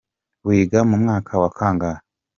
Wiga muwa kangahe?